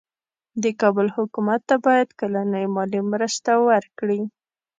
د کابل حکومت ته باید کلنۍ مالي مرسته ورکړي.